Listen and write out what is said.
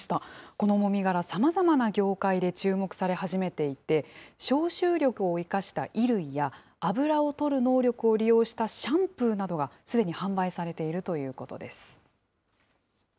このもみ殻、さまざまな業界で注目され始めていて、消臭力を生かした衣類や、油を取る能力を利用したシャンプーなどが、すでに販売されているということです。